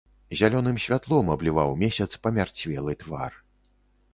Зялёным святлом абліваў месяц памярцвелы твар.